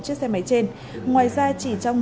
chiếc xe máy trên ngoài ra chỉ trong